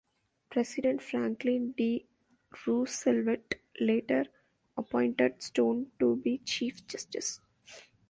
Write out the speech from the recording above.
President Franklin D. Roosevelt later appointed Stone to be chief justice.